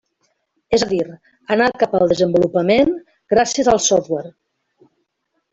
És a dir, anar cap al desenvolupament gràcies al software.